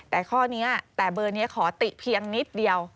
แต่ข้อนี้แต่เบอร์นี้ขอติเพียงนิดเดียว